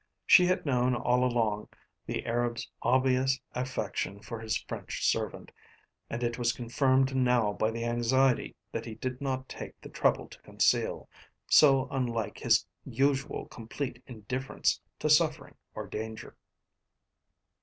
She had known all along the Arab's obvious affection for his French servant, and it was confirmed now by the anxiety that he did not take the trouble to conceal so unlike his usual complete indifference to suffering or danger.